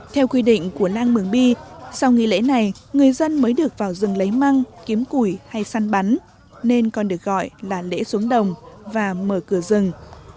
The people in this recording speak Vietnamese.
theo quy định của lang mường bi sau nghi lễ này người dân mới được vào rừng lấy măng kiếm củi hay săn bắn nên còn được gọi là lễ xuống đồng và mở cửa rừng